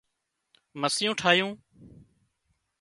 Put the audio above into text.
مسيون ٺاهيون